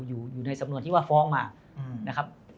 อยู่ในสำนวนที่ว่าฟ้องมานะครับ